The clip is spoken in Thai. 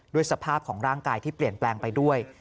สภาพของร่างกายที่เปลี่ยนแปลงไปด้วย